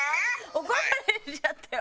怒られちゃったよ。